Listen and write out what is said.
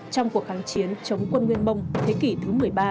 trong cuộc kháng chiến chống quân nguyên mông thế kỷ thứ một mươi ba